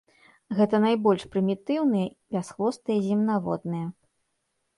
Гэта найбольш прымітыўныя бясхвостыя земнаводныя.